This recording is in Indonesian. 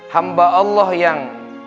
hamba allah yang